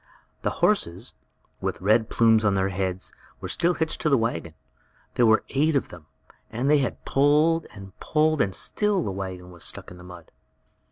The horses, with red plumes on their heads, were still hitched to the wagon. There were eight of them, but they had pulled and pulled, and still the wagon was stuck in the mud.